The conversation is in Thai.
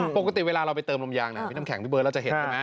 ปกติเวลาเราไปเติมลมยางอะอีกอย่างนะพี่น้ำแข็งพี่เบ้ิร์ดเราจะเห็น